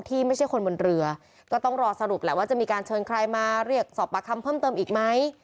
ที่ไม่ใช่คนบนเรือก็ต้องรอสรุปแหละว่าจะมีการเชิญใครมาเรียกสอบปากคำเพิ่มเติมอีกไหม